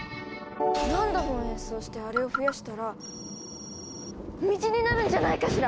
何度も演奏してあれを増やしたら道になるんじゃないかしら！